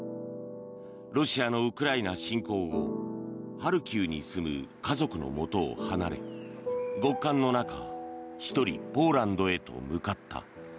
ロシアのウクライナ侵攻後ハルキウに住む家族のもとを離れ極寒の中、１人ポーランドへと向かった。